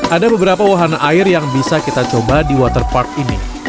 ada beberapa wahana air yang bisa kita coba di waterpark ini